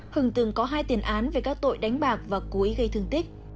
hưng từng có hai tiền án về các tội đánh bạc và cố ý gây thương tích